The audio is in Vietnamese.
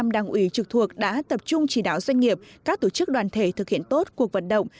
ba mươi năm đảng ủy trực thuộc đã tập trung chỉ đảo doanh nghiệp các tổ chức đoàn thể thực hiện tốt cuộc vận động